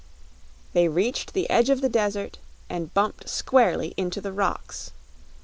They reached the edge of the desert and bumped squarely into the rocks.